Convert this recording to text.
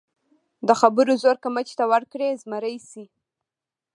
د خبرو زور که مچ ته ورکړې، زمری شي.